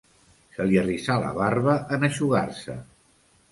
Se li arrissà la barba en eixugar-se.